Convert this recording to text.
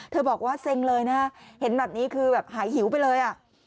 บอกว่าเซ็งเลยนะเห็นแบบนี้คือแบบหายหิวไปเลยอ่ะ